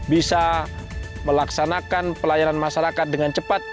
bisa melaksanakan pelayanan masyarakat dengan cepat